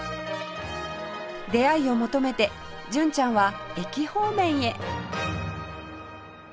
出会いを求めて純ちゃんは駅方面へ